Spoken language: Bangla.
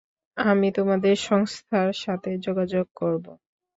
আমি তোমাদের সংস্থার সাথে যোগাযোগ করব।